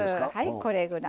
これぐらい。